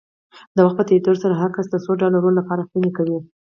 د وخت په تېرېدو سره هر کس د څو ډوله رول لپاره کړنې کوي.